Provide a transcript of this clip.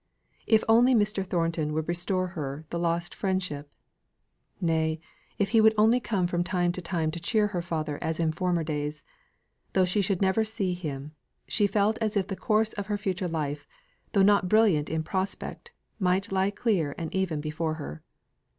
If only Mr. Thornton would restore her the lost friendship, nay, if he would only come from time to time to cheer her father as in former days, though she should never see him, she felt as if the course of her future life, though not brilliant in prospect, might lie clear and even before her.